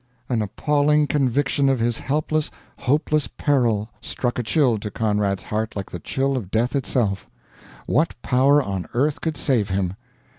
An appalling conviction of his helpless, hopeless peril struck a chill to Conrad's heart like the chill of death itself. What power on earth could save him!